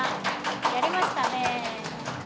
やりましたね。